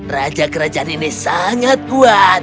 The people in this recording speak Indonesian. raja kerajaan ini sangat kuat